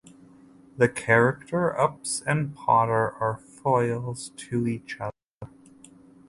The character Ups and Potter are foils to each other.